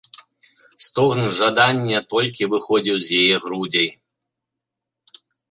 Стогн жадання толькі выходзіў з яе грудзей.